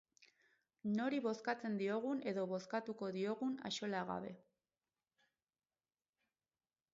Nori bozkatzen diogun edo bozkatuko diogun axola gabe.